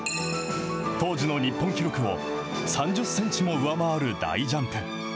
当時の日本記録を、３０センチも上回る大ジャンプ。